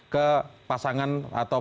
ke pasangan atau